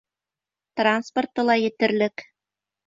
Транспорты ла етерлек.